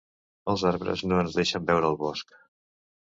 Els arbres no ens deixen veure el bosc.